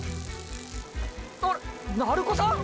あれっ鳴子さん